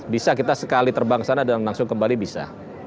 bisa kita sekali terbang ke sana dan langsung kembali bisa